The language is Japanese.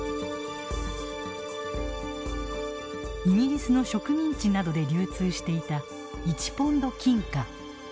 イギリスの植民地などで流通していた１ポンド金貨。